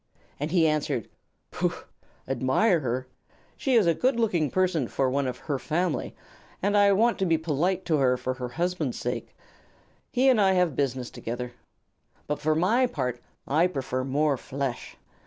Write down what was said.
And he answered: "Pooh! Admire her? She is a very good looking person for one of her family, and I want to be polite to her for her husband's sake. He and I have business together. But for my part I prefer more flesh.